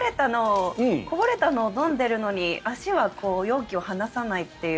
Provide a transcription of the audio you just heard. こぼれたのを飲んでるのに足は容器を離さないっていう。